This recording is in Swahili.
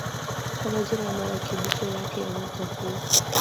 pamoja na marekebisho yake ya mwaka huo